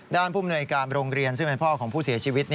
ผู้มนวยการโรงเรียนซึ่งเป็นพ่อของผู้เสียชีวิต